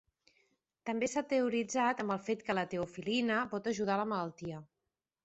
També s"ha teoritzat amb el fet que la teofilina pot ajudar a la malaltia.